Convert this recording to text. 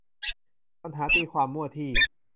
ปัญหาตีความมั่วที่